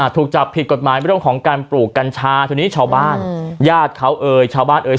ถูกจับผิดกฎหมายเรื่องของการปลูกกัญชาทีนี้ชาวบ้านญาติเขาเอ่ยชาวบ้านเอ่ย